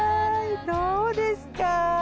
どうですか。